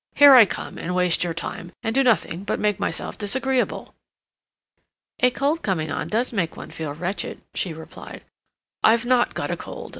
"Here I come and waste your time, and do nothing but make myself disagreeable." "A cold coming on does make one feel wretched," she replied. "I've not got a cold.